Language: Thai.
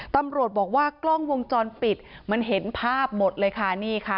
ตำรวจบอกว่ากล้องวงจรปิดมันเห็นภาพหมดเลยค่ะนี่ค่ะ